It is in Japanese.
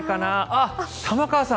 あっ、玉川さん！